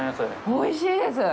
おいしいです。